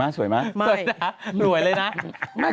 สวยมากสวยมาก